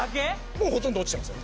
もうほとんど落ちてますよ